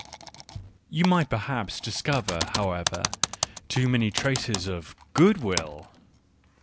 You might perhaps dis cover, however, too many traces of good vf\[\.